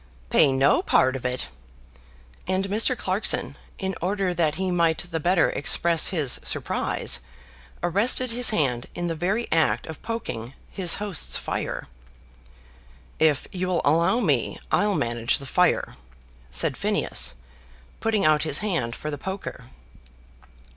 "Pay no part of it!" and Mr. Clarkson, in order that he might the better express his surprise, arrested his hand in the very act of poking his host's fire. "If you'll allow me, I'll manage the fire," said Phineas, putting out his hand for the poker.